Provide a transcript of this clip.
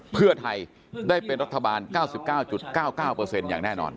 เพื่อไทยได้เป็นรัฐบาล๙๙๙๙๙อย่างแน่นอน